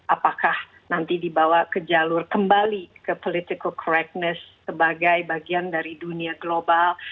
apakah nanti dibawa ke jalur kembali ke political correctness sebagai bagian dari dunia global